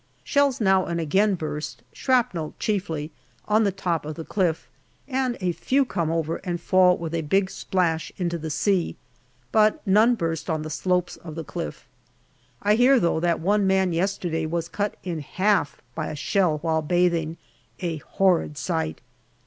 Shells now and again burst, shrapnel chiefly, on the top of the cliff, and a few come over and fall with a big splash into the sea, but none burst on the slopes of the cliff. I hear, though, that one man yesterday was cut in half by a shell while bathing. A horrid sight